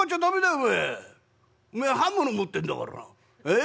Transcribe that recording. おめえ刃物持ってんだからええ？